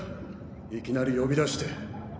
いきなり呼び出して。